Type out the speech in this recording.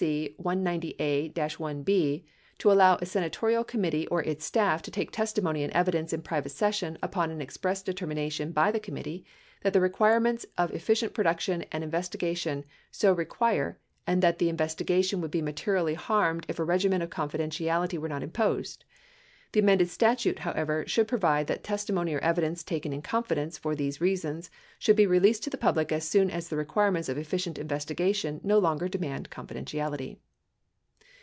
C. 190a l(b) to allow a senatorial committee or its staff to take testimony and evidence in private session upon an express determination by the committee that the requirements of efficient and productive investigation so require and that the investigation would be materially harmed if a regimen of confidentiality were not imposed. The amended statute, however, should provide that testimony or evidence taken in confidence for these reasons should be released to the public as soon as the requirements of efficient investigation no longer demand confidentiality.